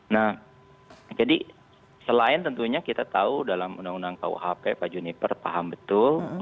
nah jadi selain tentunya kita tahu dalam undang undang kuhp pak juniper paham betul